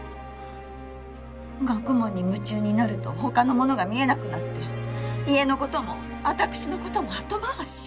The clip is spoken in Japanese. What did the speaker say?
学問に夢中になるとほかのものが見えなくなって家のことも私のことも後回し。